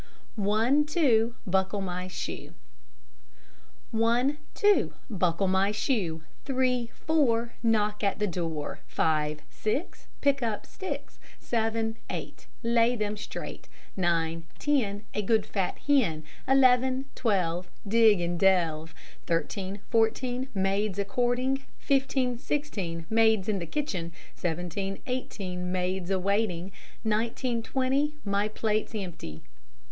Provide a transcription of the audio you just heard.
ONE, TWO, BUCKLE MY SHOE One, two, Buckle my shoe; Three, four, Knock at the door; Five, six, Pick up sticks; Seven, eight, Lay them straight; Nine, ten, A good, fat hen; Eleven, twelve, Dig and delve; Thirteen, fourteen, Maids a courting; Fifteen, sixteen, Maids in the kitchen; Seventeen, eighteen, Maids a waiting; Nineteen, twenty, My plate's empty.